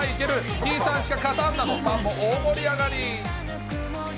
Ｔさんしか勝たん！など、ファンも大盛り上がり。